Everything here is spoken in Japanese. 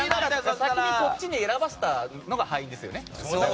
先にこっちに選ばせたのが敗因ですよね。